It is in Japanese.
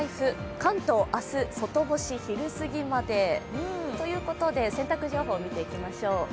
関東、明日外干し、昼過ぎまでということで洗濯情報を見ていきましょう。